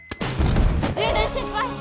充電失敗。